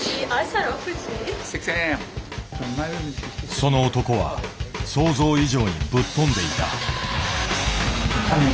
その男は想像以上にぶっ飛んでいた。